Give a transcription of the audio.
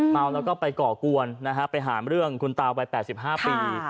เมาแล้วก็ไปก่อกวนนะฮะไปหาเรื่องคุณตาวัย๘๕ปี